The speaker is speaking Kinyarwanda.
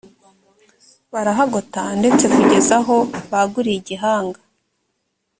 barahagota ndetse kugeza aho baguriye igihanga